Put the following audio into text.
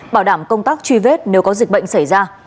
bảo đảm công tác truy vết nếu có dịch bệnh xảy ra